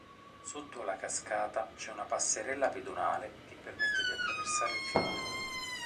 Sotto alla cascata c'è una passerella pedonale che permette di attraversare il fiume.